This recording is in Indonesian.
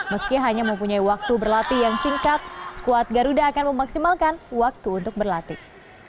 meski hanya mempunyai waktu berlatih yang singkat skuad garuda akan memaksimalkan waktu untuk berlatih